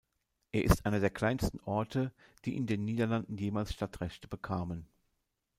Er ist einer der kleinsten Orte, die in den Niederlanden jemals Stadtrechte bekamen.